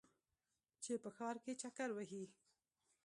چې په ښار کې چکر وهې.